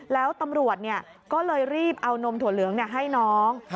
แล้วตำรวจก็เลยรีบเอานมถั่วเหลืองให้น้อง